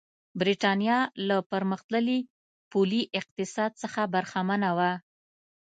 برېټانیا له پرمختللي پولي اقتصاد څخه برخمنه وه.